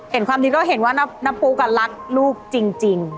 ความดีก็เห็นว่าน้ำปุ๊กรักลูกจริง